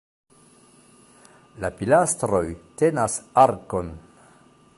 La pilastroj tenas arkon.